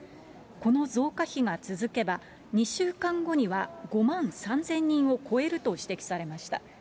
この増加比が続けば、２週間後には５万３０００人を超えると指摘されました。